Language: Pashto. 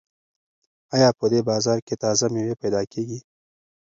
ایا په دې بازار کې تازه مېوې پیدا کیږي؟